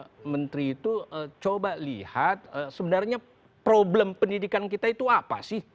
pak menteri itu coba lihat sebenarnya problem pendidikan kita itu apa sih